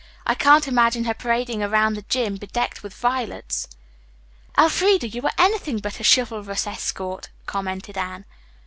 I can't imagine her parading around the gym. bedecked with violets." "Elfreda, you are anything but a chivalrous escort," commented Anne.